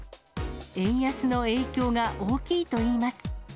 円安の影響が大きいといいます。